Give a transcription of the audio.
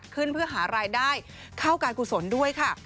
ขึ้นเพื่อหารายได้เข้าการกุศลด้วยค่ะ